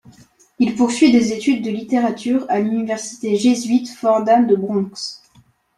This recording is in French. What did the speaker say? Il poursuit des études de littérature à l'université jésuite Fordham de Bronx.